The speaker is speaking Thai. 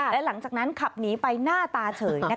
และหลังจากนั้นขับหนีไปหน้าตาเฉย